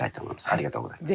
ありがとうございます。